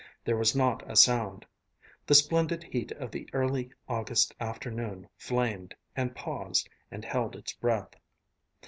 There was not a sound. The splendid heat of the early August afternoon flamed, and paused, and held its breath.